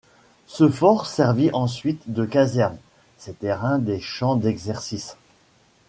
Ce fort servit ensuite de caserne, ses terrains des champs d'exercices.